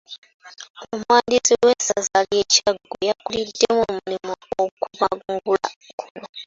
Omuwandiisi w'essaza ly'e Kyaggwe y'akuliddemu omulimu okubangula kuno.